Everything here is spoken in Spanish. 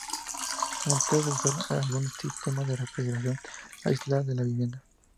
En el caso de usar algún sistema de refrigeración, aislar la vivienda.